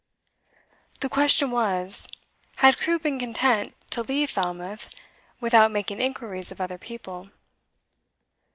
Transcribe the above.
The question was had Crewe been content to leave Falmouth without making inquiries of other people?